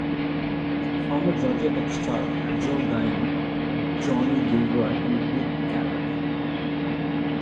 Former Georgia Tech star Joe Guyon, Johnny Gilroy and Pete Calac.